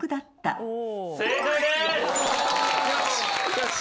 よし。